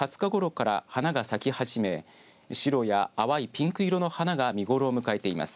ことしも今月２０日ごろから花が咲き始め白や淡いピンク色の花が見頃を迎えています。